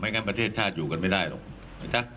ไม่งั้นประเทศชาติอยู่กันไม่ได้หรอก